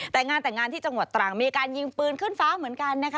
แต่งานแต่งงานที่จังหวัดตรังมีการยิงปืนขึ้นฟ้าเหมือนกันนะคะ